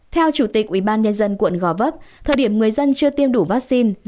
theo chủ tịch ubnd quận gò vấp thời điểm người dân chưa tiêm đủ vaccine